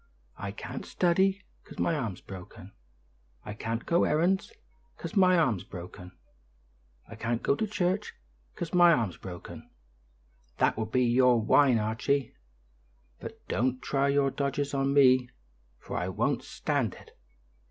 'I can't study 'cause my arm's broken; I can't go errands 'cause my arm's broken; I can't go to church 'cause my arm's broken;' that will be your whine, Archie; but don't try your dodges on me, for I won't stand it.